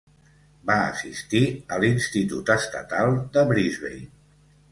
Va assistir a l'institut estatal de Brisbane.